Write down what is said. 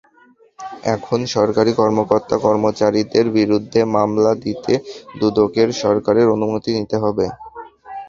এখন সরকারি কর্মকর্তা-কর্মচারীদের বিরুদ্ধে মামলা দিতে দুদককে সরকারের অনুমতি নিতে হবে।